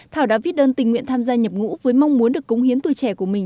thảo đã viết đơn tình nguyện tham gia nhập ngũ với mong muốn được cống hiến tuổi trẻ của mình